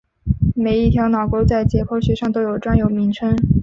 每一条脑沟在解剖学上都有专有名称。